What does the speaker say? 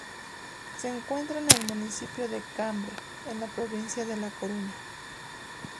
Se encuentra en el municipio de Cambre, en la provincia de La Coruña.